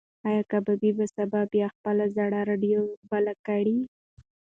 ایا کبابي به سبا بیا خپله زړه راډیو بله کړي؟